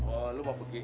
oh lo mau pergi ya